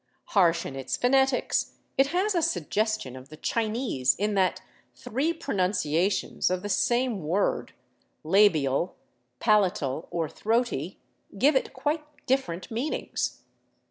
Harsh In Its phonetics, it has a suggestion of the Chinese In that three pronunciations of the same word, labial, palatal, or throaty, 437 VAGABONDING DOWN THE ANDES give it quite different meanings.